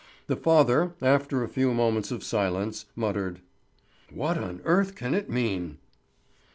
The father, after a few moments of silence, muttered: "What on earth can it mean?"